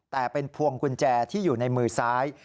แต่เป็นพวงกุญแจที่อยู่ในมือซ้าย